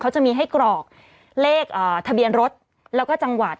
เขาจะมีให้กรอกเลขทะเบียนรถแล้วก็จังหวัด